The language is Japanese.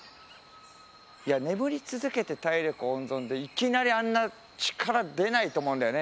いや眠り続けて体力温存でいきなりあんな力出ないと思うんだよね